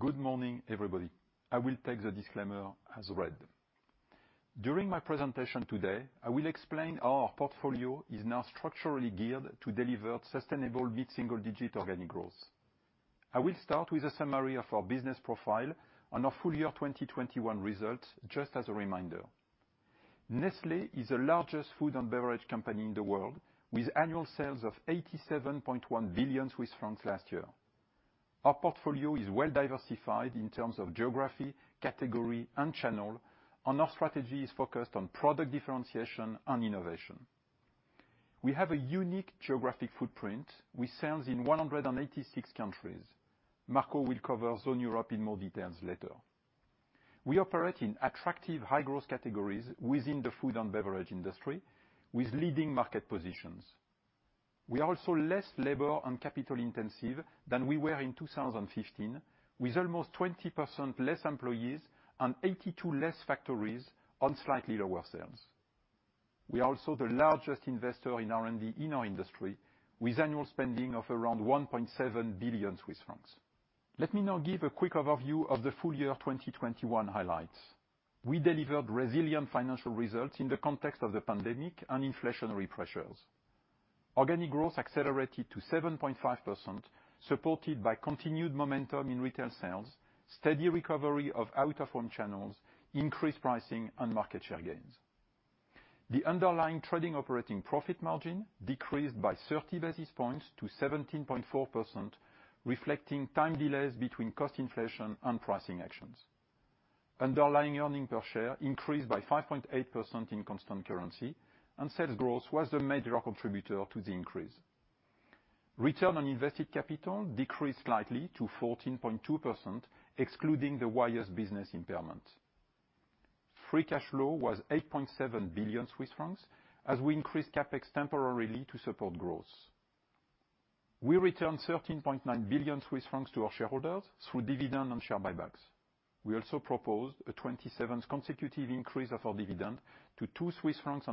Good morning, everybody. I will take the disclaimer as read. During my presentation today, I will explain how our portfolio is now structurally geared to deliver sustainable mid-single digit organic growth. I will start with a summary of our business profile and our full year 2021 results just as a reminder. Nestlé is the largest food and beverage company in the world with annual sales of 87.1 billion Swiss francs last year. Our portfolio is well diversified in terms of geography, category, and channel, and our strategy is focused on product differentiation and innovation. We have a unique geographic footprint with sales in 186 countries. Marco will cover Zone Europe in more details later. We operate in attractive high growth categories within the food and beverage industry, with leading market positions. We are also less labor and capital intensive than we were in 2015, with almost 20% less employees and 82 less factories on slightly lower sales. We are also the largest investor in R&D in our industry, with annual spending of around 1.7 billion Swiss francs. Let me now give a quick overview of the full year of 2021 highlights. We delivered resilient financial results in the context of the pandemic and inflationary pressures. Organic growth accelerated to 7.5%, supported by continued momentum in retail sales, steady recovery of out-of-home channels, increased pricing, and market share gains. The underlying trading operating profit margin decreased by 30 basis points to 17.4%, reflecting time delays between cost inflation and pricing actions. Underlying earnings per share increased by 5.8% in constant currency, and sales growth was the major contributor to the increase. Return on Invested Capital decreased slightly to 14.2%, excluding the Wyeth business impairment. Free cash flow was 8.7 billion Swiss francs as we increased CapEx temporarily to support growth. We returned 13.9 billion Swiss francs to our shareholders through dividend and share buybacks. We also proposed a 27th consecutive increase of our dividend to 2.80 Swiss francs.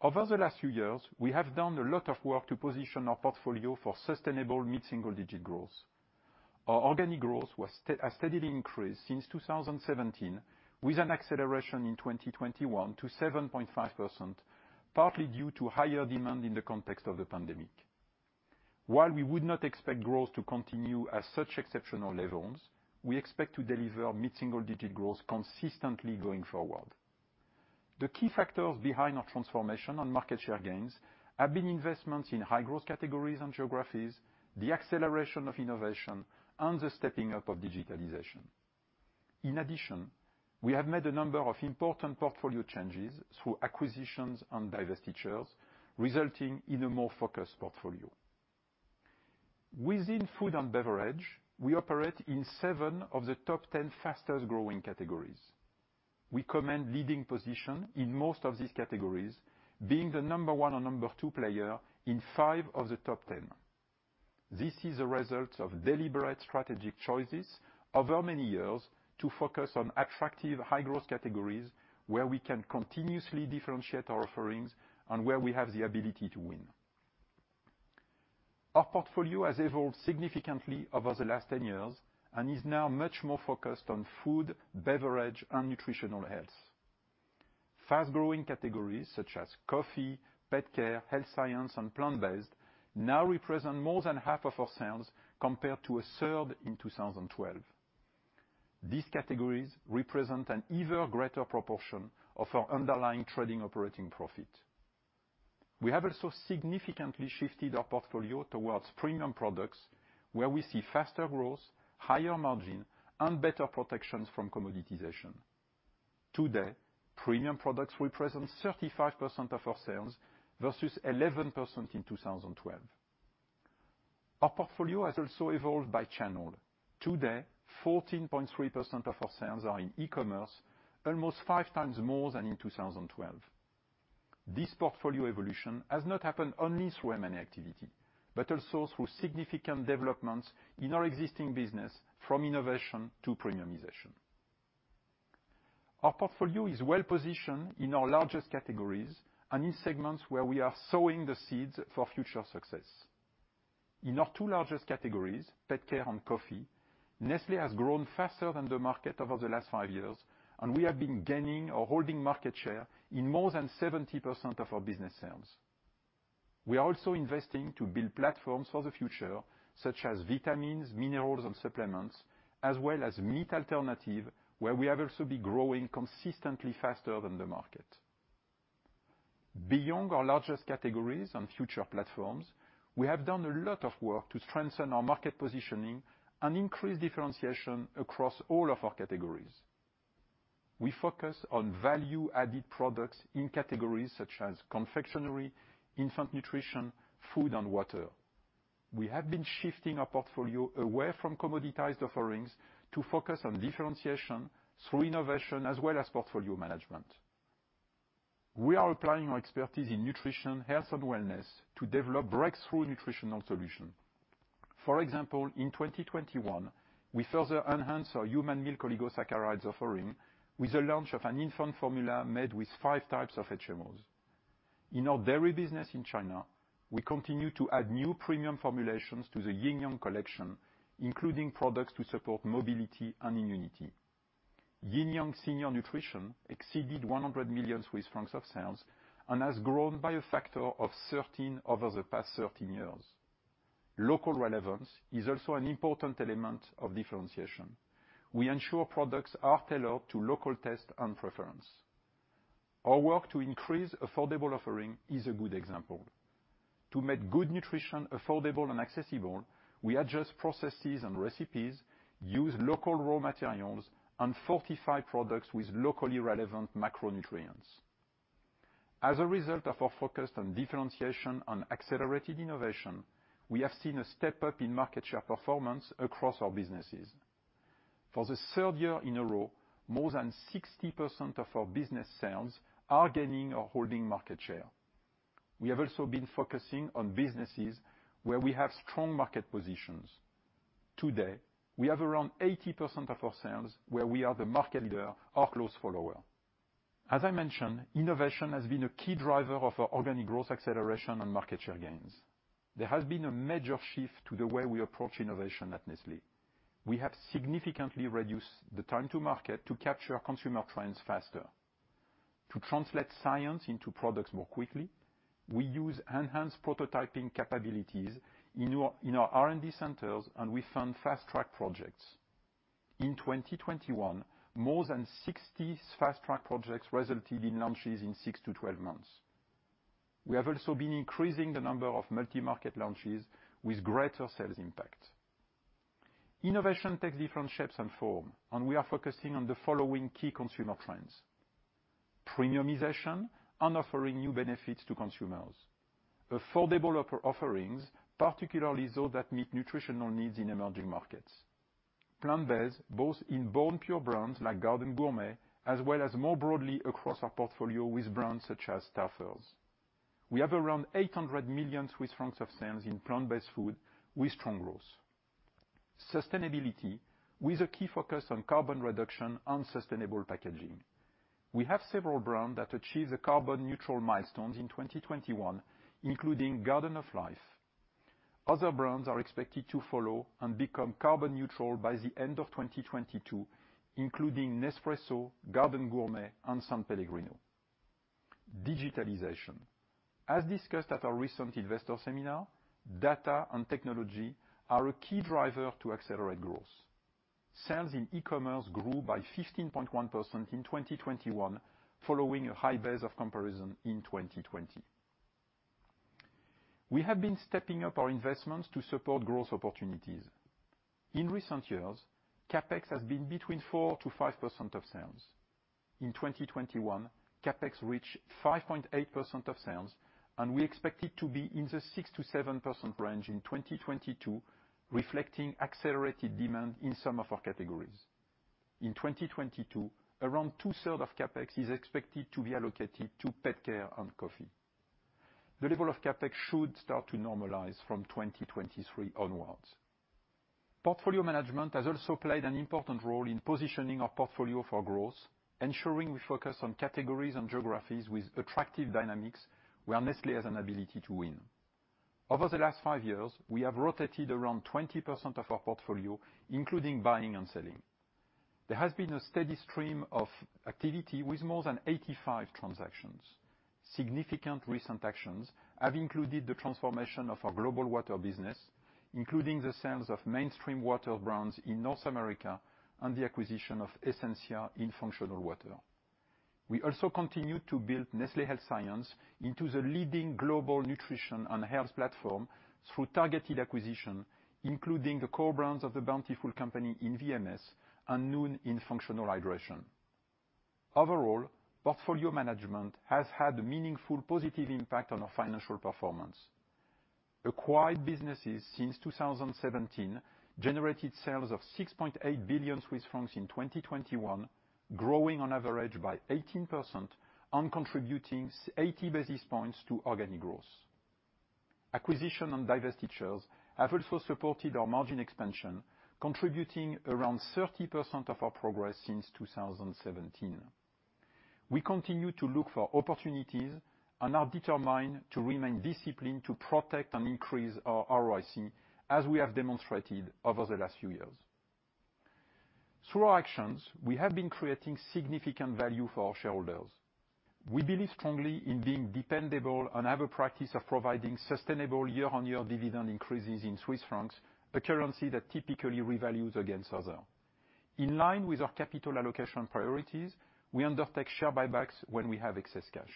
Over the last few years, we have done a lot of work to position our portfolio for sustainable mid-single digit growth. Our organic growth has steadily increased since 2017, with an acceleration in 2021 to 7.5%, partly due to higher demand in the context of the pandemic. While we would not expect growth to continue at such exceptional levels, we expect to deliver mid-single-digit growth consistently going forward. The key factors behind our transformation on market share gains have been investments in high-growth categories and geographies, the acceleration of innovation, and the stepping up of digitalization. In addition, we have made a number of important portfolio changes through acquisitions and divestitures, resulting in a more focused portfolio. Within food and beverage, we operate in seven of the Top 10 fastest-growing categories. We command leading position in most of these categories, being the #1 or #2 player in five of the Top 10. This is a result of deliberate strategic choices over many years to focus on attractive high-growth categories where we can continuously differentiate our offerings and where we have the ability to win. Our portfolio has evolved significantly over the last 10 years and is now much more focused on food, beverage, and nutritional health. Fast-growing categories such as coffee, pet care, health science, and plant-based now represent more than half of our sales, compared to a third in 2012. These categories represent an even greater proportion of our underlying trading operating profit. We have also significantly shifted our portfolio towards premium products, where we see faster growth, higher margin, and better protections from commoditization. Today, premium products represent 35% of our sales versus 11% in 2012. Our portfolio has also evolved by channel. Today, 14.3% of our sales are in e-commerce, almost five times more than in 2012. This portfolio evolution has not happened only through M&A activity, but also through significant developments in our existing business from innovation to premiumization. Our portfolio is well positioned in our largest categories and in segments where we are sowing the seeds for future success. In our two largest categories, pet care and coffee, Nestlé has grown faster than the market over the last five years, and we have been gaining or holding market share in more than 70% of our business sales. We are also investing to build platforms for the future, such as vitamins, minerals, and supplements, as well as meat alternative, where we have also been growing consistently faster than the market. Beyond our largest categories and future platforms, we have done a lot of work to strengthen our market positioning and increase differentiation across all of our categories. We focus on value added products in categories such as confectionery, infant nutrition, food, and water. We have been shifting our portfolio away from commoditized offerings to focus on differentiation through innovation as well as portfolio management. We are applying our expertise in nutrition, health, and wellness to develop breakthrough nutritional solution. For example, in 2021, we further enhanced our Human Milk Oligosaccharides offering with the launch of an infant formula made with five types of HMOs. In our dairy business in China, we continue to add new premium formulations to the Yinlu collection, including products to support mobility and immunity. Yinlu Senior Nutrition exceeded 100 million Swiss francs of sales and has grown by a factor of 13 over the past 13 years. Local relevance is also an important element of differentiation. We ensure products are tailored to local taste and preference. Our work to increase affordable offering is a good example. To make good nutrition affordable and accessible, we adjust processes and recipes, use local raw materials, and fortify products with locally relevant macronutrients. As a result of our focus on differentiation and accelerated innovation, we have seen a step up in market share performance across our businesses. For the third year in a row, more than 60% of our business sales are gaining or holding market share. We have also been focusing on businesses where we have strong market positions. Today, we have around 80% of our sales where we are the market leader or close follower. As I mentioned, innovation has been a key driver of our organic growth acceleration and market share gains. There has been a major shift to the way we approach innovation at Nestlé. We have significantly reduced the time to market to capture consumer trends faster. To translate science into products more quickly, we use enhanced prototyping capabilities in our R&D centers, and we fund fast track projects. In 2021, more than 60 fast track projects resulted in launches in six-12 months. We have also been increasing the number of multi-market launches with greater sales impact. Innovation takes different shapes and form, and we are focusing on the following key consumer trends: premiumization and offering new benefits to consumers. Affordable offerings, particularly those that meet nutritional needs in emerging markets. Plant-based, both in born pure brands like Garden Gourmet, as well as more broadly across our portfolio with brands such as Stouffer's. We have around 800 million Swiss francs of sales in plant-based food with strong growth. Sustainability, with a key focus on carbon reduction and sustainable packaging. We have several brands that achieved the carbon neutral milestones in 2021, including Garden of Life. Other brands are expected to follow and become carbon neutral by the end of 2022, including Nespresso, Garden Gourmet, and S.Pellegrino. Digitalization. As discussed at our recent Investor Seminar, data and technology are a key driver to accelerate growth. Sales in e-commerce grew by 15.1% in 2021, following a high base of comparison in 2020. We have been stepping up our investments to support growth opportunities. In recent years, CapEx has been between 4%-5% of sales. In 2021, CapEx reached 5.8% of sales, and we expect it to be in the 6%-7% range in 2022, reflecting accelerated demand in some of our categories. In 2022, around two-thirds of CapEx is expected to be allocated to pet care and coffee. The level of CapEx should start to normalize from 2023 onwards. Portfolio management has also played an important role in positioning our portfolio for growth, ensuring we focus on categories and geographies with attractive dynamics where Nestlé has an ability to win. Over the last five years, we have rotated around 20% of our portfolio, including buying and selling. There has been a steady stream of activity with more than 85 transactions. Significant recent actions have included the transformation of our global water business, including the sales of mainstream water brands in North America, and the acquisition of Essentia Water in functional water. We also continue to build Nestlé Health Science into the leading global nutrition and health platform through targeted acquisition, including the core brands of The Bountiful Company in VMS and Nuun in Functional Hydration. Overall, portfolio management has had a meaningful positive impact on our financial performance. Acquired businesses since 2017 generated sales of 6.8 billion Swiss francs in 2021, growing on average by 18% and contributing 80 basis points to organic growth. Acquisition and divestitures have also supported our margin expansion, contributing around 30% of our progress since 2017. We continue to look for opportunities and are determined to remain disciplined to protect and increase our ROIC, as we have demonstrated over the last few years. Through our actions, we have been creating significant value for our shareholders. We believe strongly in being dependable and have a practice of providing sustainable year-on-year dividend increases in Swiss francs, a currency that typically revalues against others. In line with our capital allocation priorities, we undertake share buybacks when we have excess cash.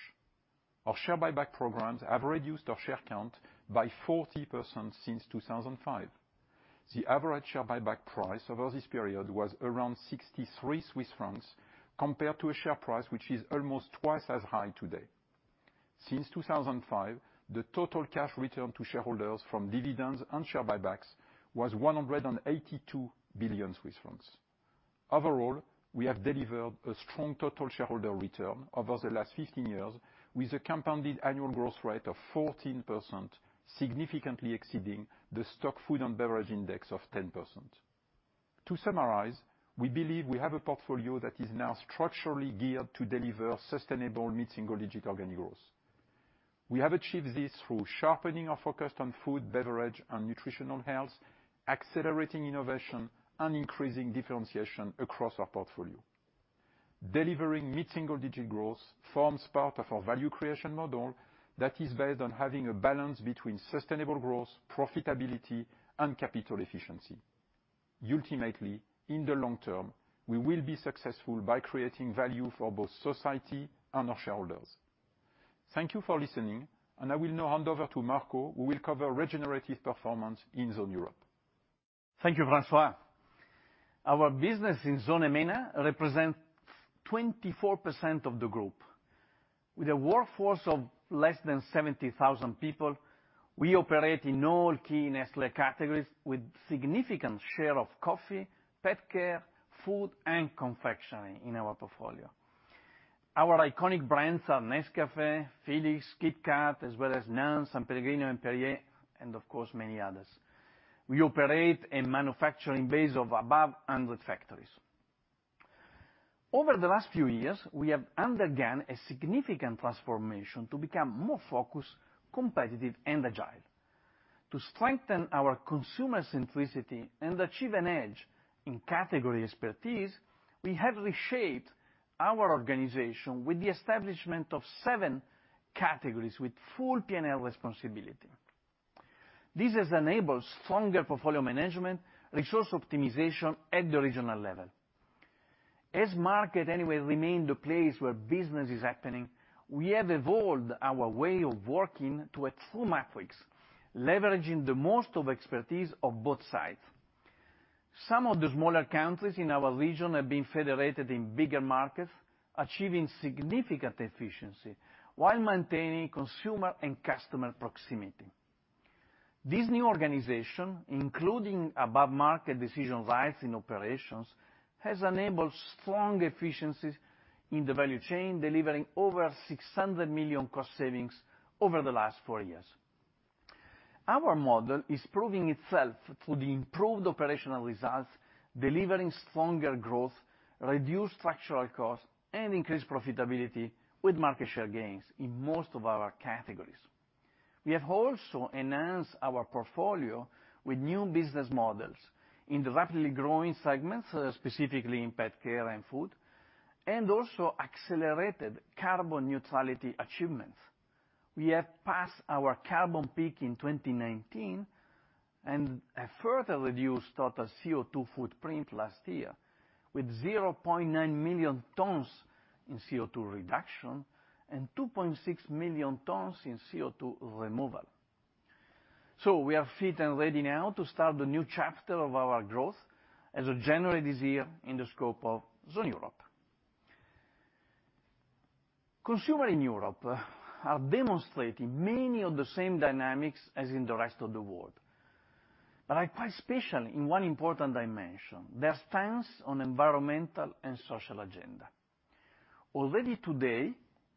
Our share buyback programs have reduced our share count by 40% since 2005. The average share buyback price over this period was around 63 Swiss francs compared to a share price which is almost twice as high today. Since 2005, the total cash return to shareholders from dividends and share buybacks was 182 billion Swiss francs. Overall, we have delivered a strong total shareholder return over the last 15 years with a compounded annual growth rate of 14%, significantly exceeding the STOXX Food and Beverage Index of 10%. To summarize, we believe we have a portfolio that is now structurally geared to deliver sustainable mid-single-digit organic growth. We have achieved this through sharpening our focus on food, beverage, and nutritional health, accelerating innovation, and increasing differentiation across our portfolio. Delivering mid-single-digit growth forms part of our value creation model that is based on having a balance between sustainable growth, profitability, and capital efficiency. Ultimately, in the long term, we will be successful by creating value for both society and our shareholders. Thank you for listening, and I will now hand over to Marco, who will cover regenerative performance in Zone Europe. Thank you, François. Our business in Zone EMENA represents 24% of the group. With a workforce of less than 70,000 people, we operate in all key Nestlé categories, with significant share of coffee, pet care, food, and confectionery in our portfolio. Our iconic brands are Nescafé, Felix, KitKat, as well as NAN, S.Pellegrino, and Perrier, and of course, many others. We operate a manufacturing base of above 100 factories. Over the last few years, we have undergone a significant transformation to become more focused, competitive, and agile. To strengthen our consumer centricity and achieve an edge in category expertise, we have reshaped our organization with the establishment of seven categories with full P&L responsibility. This has enabled stronger portfolio management, resource optimization at the regional level. As markets anyway remain the place where business is happening, we have evolved our way of working to a true matrix, leveraging the most out of the expertise of both sides. Some of the smaller countries in our region have been federated in bigger markets, achieving significant efficiency while maintaining consumer and customer proximity. This new organization, including above-market decision rights and operations, has enabled strong efficiencies in the value chain, delivering over 600 million cost savings over the last four years. Our model is proving itself through the improved operational results, delivering stronger growth, reduced structural costs, and increased profitability with market share gains in most of our categories. We have also enhanced our portfolio with new business models in the rapidly growing segments, specifically in pet care and food, and also accelerated carbon neutrality achievements. We have passed our carbon peak in 2019, and have further reduced total CO2 footprint last year, with 0.9 million tons in CO2 reduction and 2.6 million tons in CO2 removal. We are fit and ready now to start the new chapter of our growth as of January this year in the scope of Zone Europe. Consumers in Europe are demonstrating many of the same dynamics as in the rest of the world, but are quite special in one important dimension, their stance on environmental and social agenda. Already today,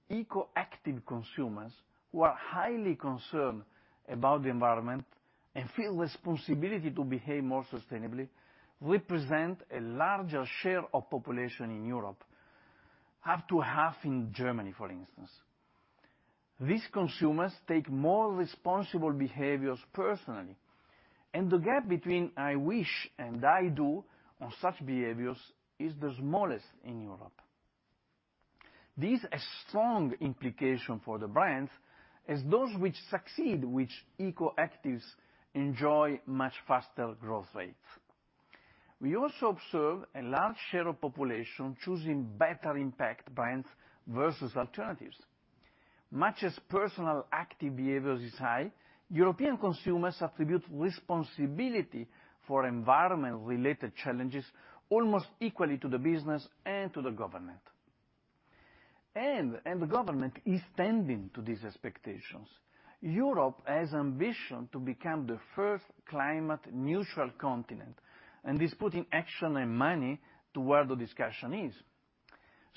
eco-active consumers who are highly concerned about the environment and feel responsibility to behave more sustainably, represent a larger share of population in Europe, up to half in Germany, for instance. These consumers take more responsible behaviours personally, and the gap between I wish and I do on such behaviours is the smallest in Europe. This has strong implication for the brands, as those which succeed with eco actives enjoy much faster growth rates. We also observe a large share of population choosing better impact brands versus alternatives. Much as personal active behaviours is high, European consumers attribute responsibility for environment related challenges almost equally to the business and to the government. The government is tending to these expectations. Europe has ambition to become the first climate neutral continent, and is putting action and money to where the discussion is.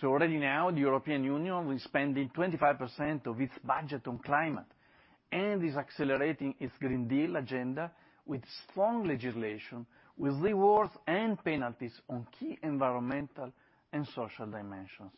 Already now, the European Union is spending 25% of its budget on climate and is accelerating its Green Deal agenda with strong legislation, with rewards and penalties on key environmental and social dimensions.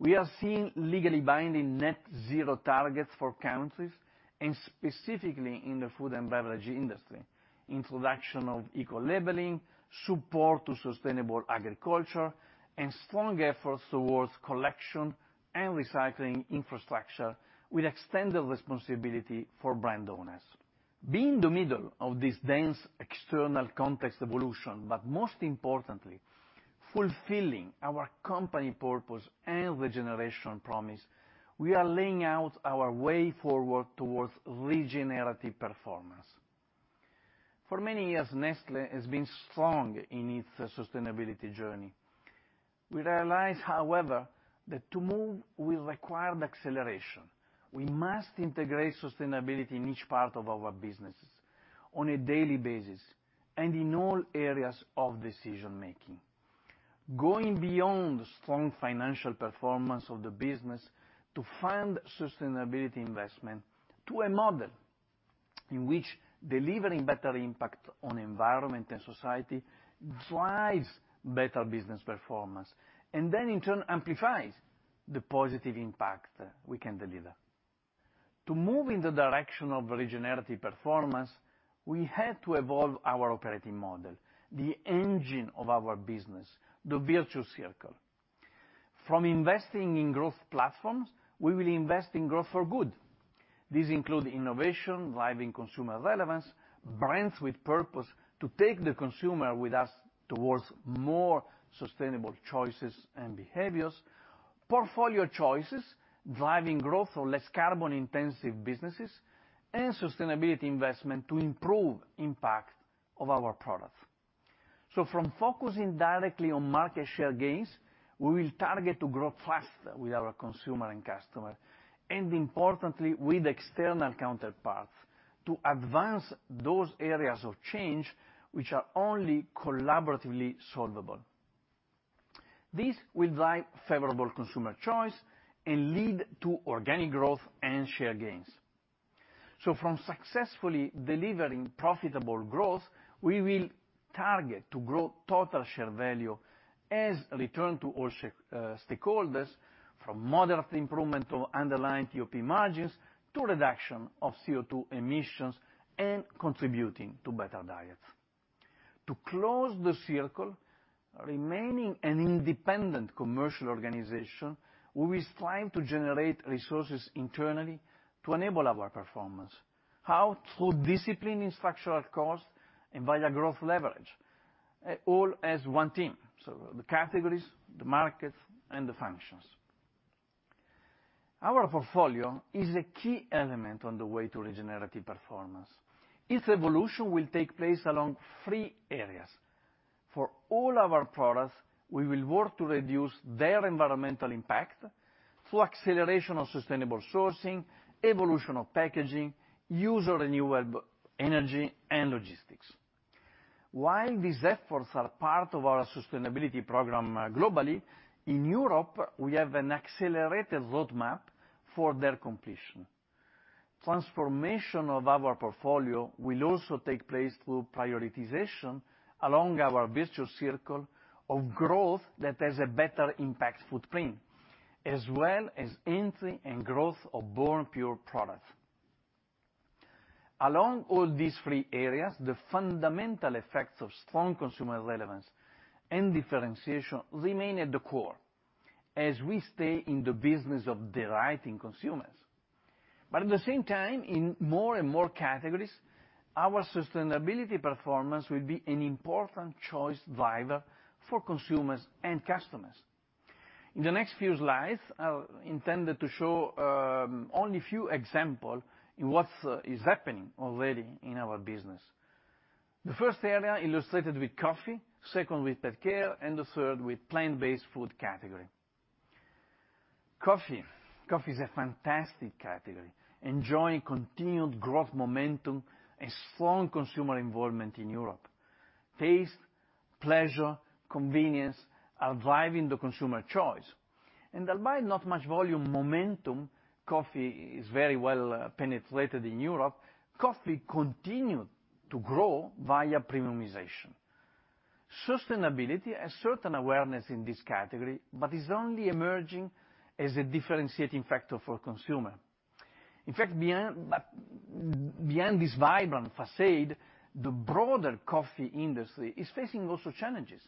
We are seeing legally binding net zero targets for countries, and specifically in the food and beverage industry, introduction of eco-labelling, support to sustainable agriculture, and strong efforts towards collection and recycling infrastructure with extended responsibility for brand owners. Being the middle of this dense external context evolution, but most importantly, fulfilling our company purpose and regenerative promise, we are laying out our way forward towards regenerative performance. For many years, Nestlé has been strong in its sustainability journey. We realize, however, that to move will require the acceleration. We must integrate sustainability in each part of our businesses on a daily basis and in all areas of decision making. Going beyond the strong financial performance of the business to fund sustainability investment to a model in which delivering better impact on environment and society drives better business performance, and then in turn amplifies the positive impact we can deliver. To move in the direction of regenerative performance, we had to evolve our operating model, the engine of our business, the virtuous circle. From investing in growth platforms, we will invest in growth for good. These include innovation, driving consumer relevance, brands with purpose to take the consumer with us towards more sustainable choices and behaviours, portfolio choices, driving growth of less carbon-intensive businesses, and sustainability investment to improve impact of our products. From focusing directly on market share gains, we will target to grow faster with our consumer and customer, and importantly, with external counterparts to advance those areas of change which are only collaboratively solvable. This will drive favourable consumer choice and lead to organic growth and share gains. From successfully delivering profitable growth, we will target to grow total shareholder value as a return to all shareholders, stakeholders from moderate improvement of underlying UTOP margins to reduction of CO2 emissions and contributing to better diets. To close the circle, remaining an independent commercial organization, we will strive to generate resources internally to enable our performance. How? Through discipline in structural costs and via growth leverage, all as one team, the categories, the markets, and the functions. Our portfolio is a key element on the way to regenerative performance. Its evolution will take place along three areas. For all our products, we will work to reduce their environmental impact through acceleration of sustainable sourcing, evolution of packaging, use of renewable energy and logistics. While these efforts are part of our sustainability program globally, in Europe, we have an accelerated roadmap for their completion. Transformation of our portfolio will also take place through prioritization along our virtuous circle of growth that has a better impact footprint, as well as entry and growth of born pure products. Along all these three areas, the fundamental effects of strong consumer relevance and differentiation remain at the core as we stay in the business of driving consumers. At the same time, in more and more categories, our sustainability performance will be an important choice driver for consumers and customers. In the next few slides, I intend to show only a few examples in what is happening already in our business. The first area illustrated with coffee, second with pet care, and the third with plant-based food category. Coffee. Coffee is a fantastic category, enjoying continued growth momentum and strong consumer involvement in Europe. Taste, pleasure, convenience are driving the consumer choice, and albeit not much volume momentum, coffee is very well penetrated in Europe. Coffee continued to grow via premiumization. Sustainability has certain awareness in this category but is only emerging as a differentiating factor for consumer. In fact, beyond this vibrant facade, the broader coffee industry is facing also challenges,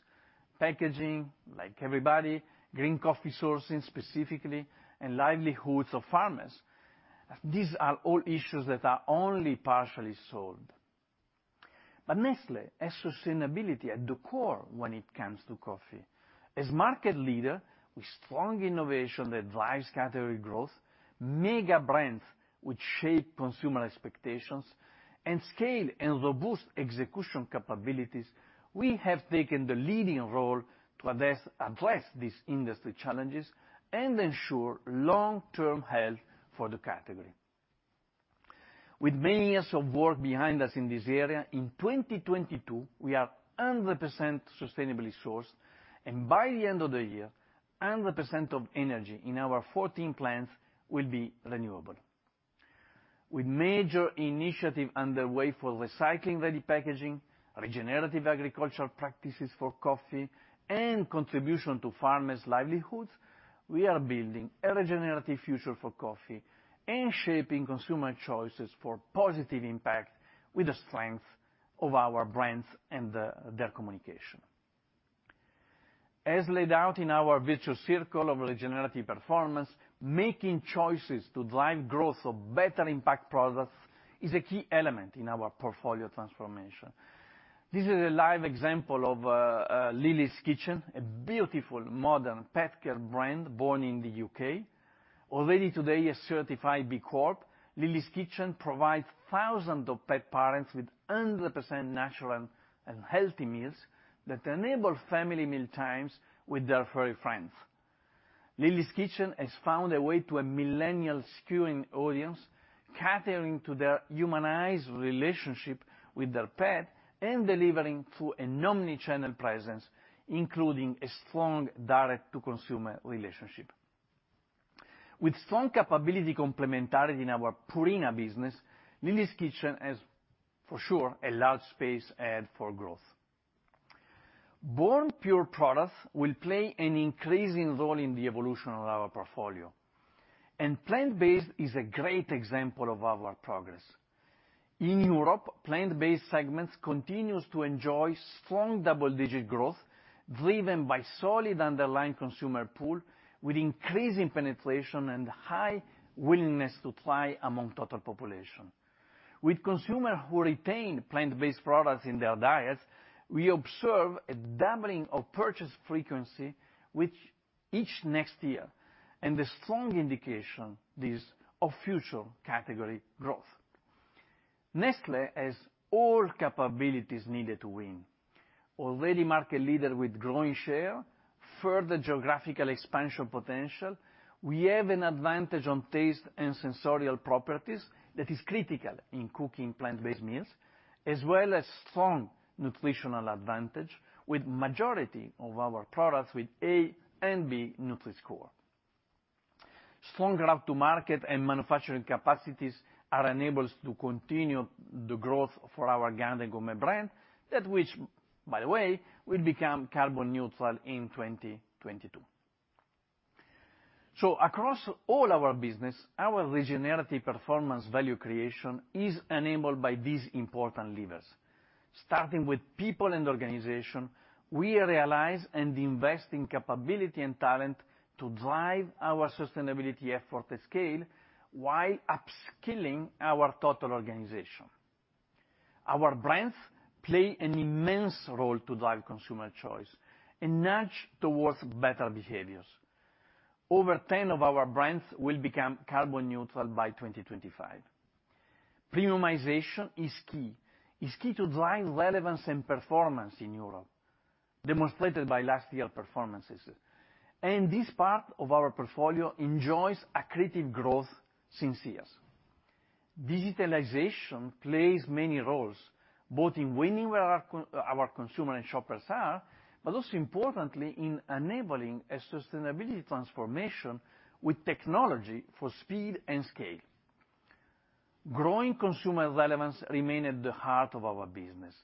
packaging, like everybody, green coffee sourcing specifically, and livelihoods of farmers. These are all issues that are only partially solved. Nestlé has sustainability at the core when it comes to coffee. As market leader with strong innovation that drives category growth, mega brands which shape consumer expectations, and scale and robust execution capabilities, we have taken the leading role to address these industry challenges and ensure long-term health for the category. With many years of work behind us in this area, in 2022, we are 100% sustainably sourced, and by the end of the year, 100% of energy in our 14 plants will be renewable. With major initiative underway for recycling-ready packaging, regenerative agricultural practices for coffee, and contribution to farmers' livelihoods, we are building a regenerative future for coffee and shaping consumer choices for positive impact with the strength of our brands and their communication. As laid out in our virtuous circle of regenerative performance, making choices to drive growth of better impact products is a key element in our portfolio transformation. This is a live example of Lily's Kitchen, a beautiful modern pet care brand born in the U.K. Already today, a Certified B Corp, Lily's Kitchen provides thousands of pet parents with 100% natural and healthy meals that enable family mealtimes with their furry friends. Lily's Kitchen has found a way to a millennial skewing audience, catering to their humanized relationship with their pet and delivering through an omni-channel presence, including a strong direct to consumer relationship. With strong capability complementarity in our Purina business, Lily's Kitchen has for sure a large space ahead for growth. Born pure products will play an increasing role in the evolution of our portfolio, and plant-based is a great example of our progress. In Europe, plant-based segments continues to enjoy strong double-digit growth driven by solid underlying consumer pool, with increasing penetration and high willingness to try among total population. With consumers who retain plant-based products in their diets, we observe a doubling of purchase frequency with each next year, and a strong indication of this of future category growth. Nestlé has all capabilities needed to win. Already market leader with growing share, further geographical expansion potential, we have an advantage on taste and sensorial properties that is critical in cooking plant-based meals, as well as strong nutritional advantage with majority of our products with A and B Nutri-Score. Strong route to market and manufacturing capacities enable us to continue the growth for our Garden Gourmet brand, which by the way will become carbon neutral in 2022. Across all our business, our regenerative performance value creation is enabled by these important levers. Starting with people and organization, we realize and invest in capability and talent to drive our sustainability effort to scale while upskilling our total organization. Our brands play an immense role to drive consumer choice and nudge towards better behaviours. Over 10 of our brands will become carbon neutral by 2025. Premiumization is key to drive relevance and performance in Europe, demonstrated by last year performances. This part of our portfolio enjoys accretive growth since years. Digitalization plays many roles, both in winning where our consumer and shoppers are, but also importantly in enabling a sustainability transformation with technology for speed and scale. Growing consumer relevance remain at the heart of our business,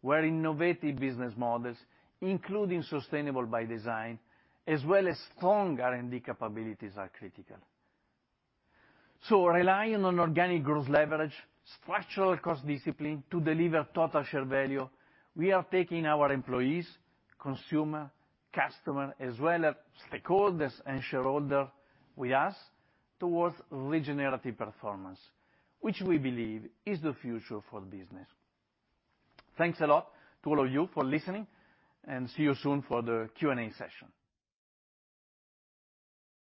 where innovative business models, including sustainable by design as well as strong R&D capabilities are critical. Relying on organic growth leverage, structural cost discipline to deliver total share value, we are taking our employees, consumer, customer, as well as stakeholders and shareholder with us towards regenerative performance, which we believe is the future for business. Thanks a lot to all of you for listening and see you soon for the Q&A session.